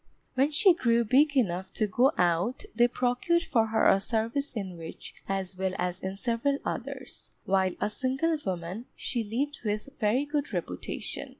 When she grew big enough to go out, they procured for her a service in which as well as in several others, while a single woman, she lived with very good reputation.